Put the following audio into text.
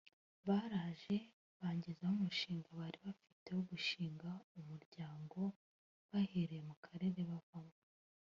Baraje bangezaho umushinga bari bafite wo gushinga umuryango bahereye mu karere bavamo